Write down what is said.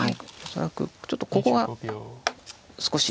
恐らくちょっとここが少し。